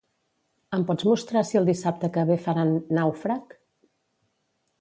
Em pots mostrar si el dissabte que ve faran "Nàufrag"?